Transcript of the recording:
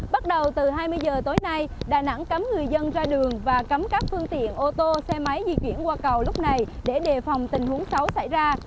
bắt đầu từ hai mươi giờ tối nay đà nẵng cấm người dân ra đường và cấm các phương tiện ô tô xe máy di chuyển qua cầu lúc này để đề phòng tình huống xấu xảy ra